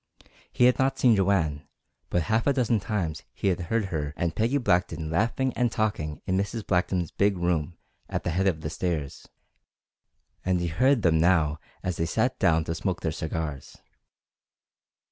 He had not seen Joanne, but half a dozen times he had heard her and Peggy Blackton laughing and talking in Mrs. Blackton's big room at the head of the stairs, and he heard them now as they sat down to smoke their cigars.